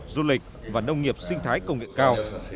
du lịch và nông nghiệp sinh thái công nghệ cao